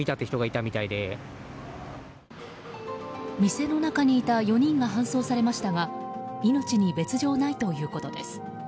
店の中にいた４人が搬送されましたが命に別条ないということです。